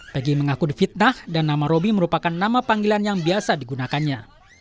pegi mengaku difitnah dan nama roby merupakan nama panggilan yang biasa digunakannya